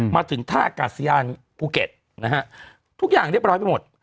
มาถึงท่ากาเซียนภูเก็ตทุกอย่างเรียบร้อยไปหมด